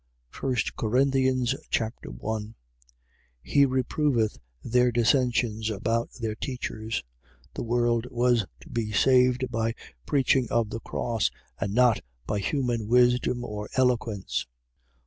1 Corinthians Chapter 1 He reproveth their dissensions about their teachers. The world was to be saved by preaching of the cross, and not by human wisdom or eloquence.